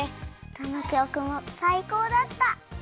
どのきょくもさいこうだった！